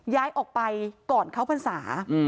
ย้ายออกไปก่อนเข้าพรรษา